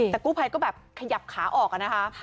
แต่กู้ภัยก็แบบขยับขาออกอะนะคะ